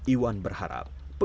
iwan berharap pengelola kawasan hutan